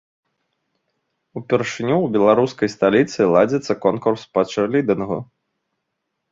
Упершыню ў беларускай сталіцы ладзіцца конкурс па чэрлідынгу.